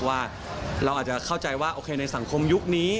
ว่าเราอาจจะเข้าใจว่าโอเคในสังคมยุคนี้